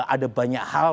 ada banyak hal